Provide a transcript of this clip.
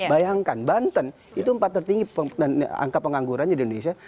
bayangkan banten itu empat tertinggi angka penganggurannya di indonesia